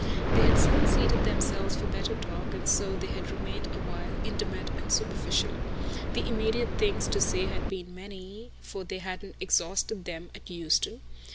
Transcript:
They had soon seated themselves for better talk, and so they had remained a while, intimate and superficial. The immediate things to say had been many, for they hadn't exhausted them at Euston.